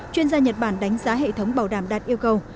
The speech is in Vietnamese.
chuyên gia nhật bản đánh giá hệ thống bảo đảm đạt yêu cầu